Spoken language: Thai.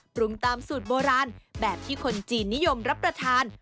ปรุงตามสูตรโบราณแบบที่คนจีนนิยมรับประทาน